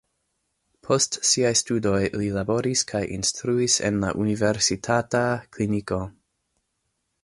Post siaj studoj li laboris kaj instruis en la universitata kliniko.